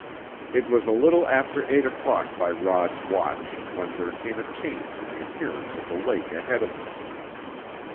It was a little after eight o'clock by Rod's watch when there came a change in the appearance of the lake ahead of them.